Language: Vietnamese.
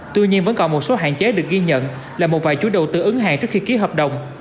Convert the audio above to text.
tuy nhiên vẫn còn một số hạn chế được ghi nhận là một vài chú đầu tư ứng hàng trước khi ký hợp đồng